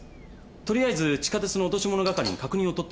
とりあえず地下鉄の落とし物係に確認を取ってみます。